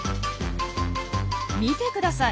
見てください。